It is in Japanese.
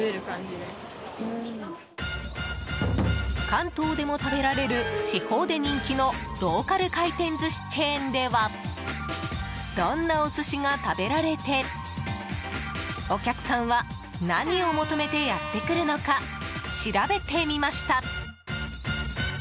関東でも食べられる地方で人気のローカル回転寿司チェーンではどんなお寿司が食べられてお客さんは何を求めてやってくるのか調べてみました。